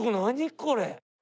これ。